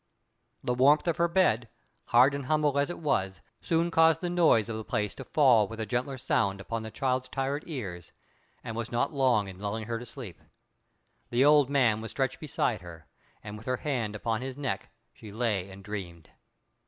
The warmth of her bed, hard and humble as it was, soon caused the noise of the place to fall with a gentler sound upon the child's tired ears, and was not long in lulling her to sleep. The old man was stretched beside her, and with her hand upon his neck she lay and dreamed.